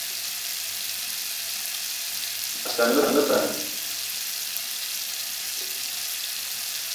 Mas gan, me ba mina.